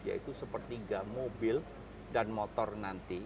yaitu sepertiga mobil dan motor nanti